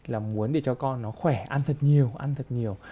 là muốn để cho con nó khỏe ăn thật nhiều